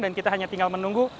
dan kita hanya tinggal menunggu